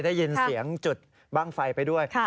ได้ยินเสียงจุดบ้างไฟไปด้วย